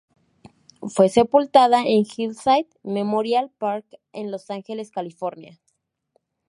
Fue sepultada en Hillside Memorial Park en Los Angeles, California.